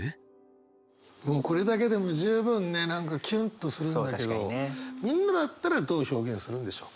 もうこれだけでも十分ね何かキュンとするんだけどみんなだったらどう表現するんでしょうか？